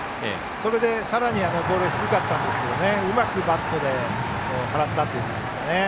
それでさらにボールは低かったんですがうまくバットで払ったという感じですかね。